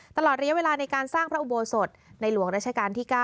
ตลอดระยะเวลาในการสร้างพระอุโบสถในหลวงราชการที่๙